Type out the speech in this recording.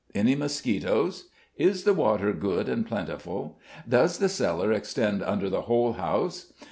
"Any mosquitoes?" "Is the water good and plentiful?" "Does the cellar extend under the whole house?"